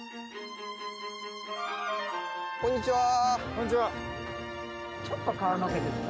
こんにちは。